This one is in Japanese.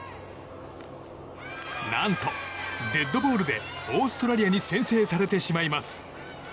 何と、デッドボールでオーストラリアに先制されてしまいます。